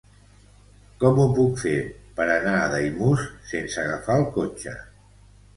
Com ho puc fer per anar a Daimús sense agafar el cotxe?